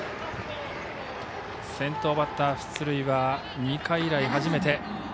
先頭バッター出塁は２回以来、初めて。